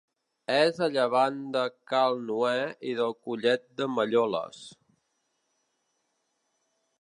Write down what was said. És a llevant de Cal Noè i del Collet de Malloles.